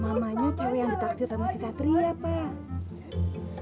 mamanya cewek yang ditaksir sama si satria pak